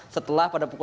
setelah pada pukul